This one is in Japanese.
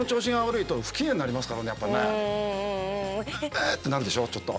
「え！」ってなるでしょちょっと。